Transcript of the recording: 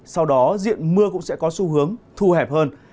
sau đó diện mưa cũng sẽ có xu hướng thu hẹp hơn